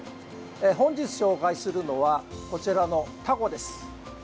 本日紹介するのはこちらのタコです。